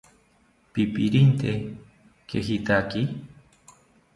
¡Pipirente kejitaki!